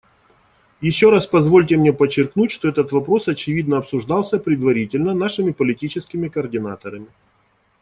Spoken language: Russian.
Еще раз позвольте мне подчеркнуть, что этот вопрос, очевидно, обсуждался предварительно нашими политическими координаторами.